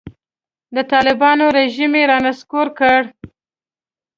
د طالبانو رژیم یې رانسکور کړ.